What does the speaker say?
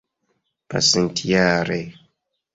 pasintjare